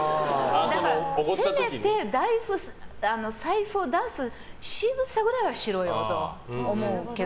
せめて財布を出すしぐさぐらいはしろよと思うけど。